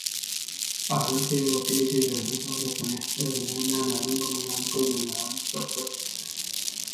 Adam tebigaty ejizligini, hajatyny, özüne nämälim bolan zady gözlemäge muşdakdyr.